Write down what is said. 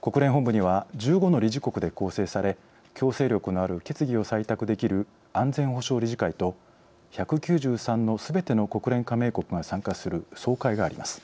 国連本部には１５の理事国で構成され強制力のある決議を採択できる安全保障理事会と１９３のすべての国連加盟国が参加する総会があります。